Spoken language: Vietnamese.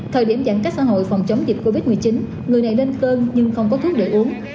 thời điểm giãn cách xã hội phòng chống dịch covid một mươi chín người này nên cơn nhưng không có thuốc để uống